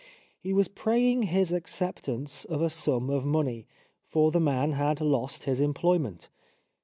He was praying his acceptance of a sum of money, for the man had lost his employment.